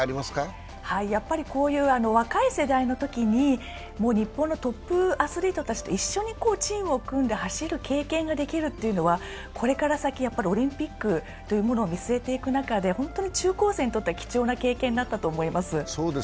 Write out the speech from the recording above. やっぱりこういう若い世代のときに日本のトップアスリートたちと一緒にチームを組んで走る経験ができるというのは、これから先、オリンピックを見据えていく中で本当に中高生にとっては貴重な経験だったと思います。